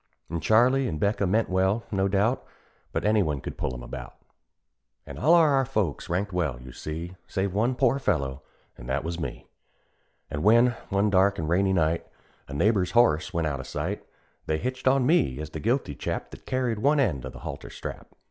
An' Charley an' 'Becca meant well, no doubt, But any one could pull 'em about; An' all o' our folks ranked well, you see, Save one poor fellow, and that was me; An' when, one dark an' rainy night, A neighbor's horse went out o' sight, They hitched on me, as the guilty chap That carried one end o' the halter strap.